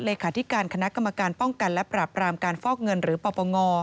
เลขาธิการคณะกรรมการป้องกันและปราบรามการฟอกเงินหรือปปง